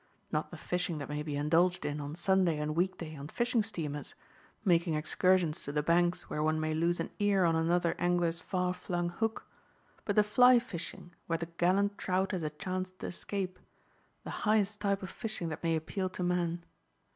Not the fishing that may be indulged in on Sunday and week day on fishing steamers, making excursions to the banks where one may lose an ear on another angler's far flung hook, but the fly fishing where the gallant trout has a chance to escape, the highest type of fishing that may appeal to man.